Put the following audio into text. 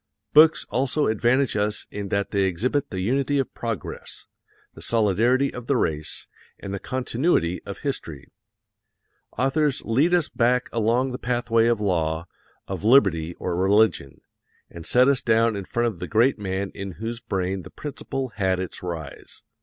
Books also advantage us in that they exhibit the unity of progress, the solidarity of the race, and the continuity of history. Authors lead us back along the pathway of law, of liberty or religion, and set us down in front of the great man in whose brain the principle had its rise.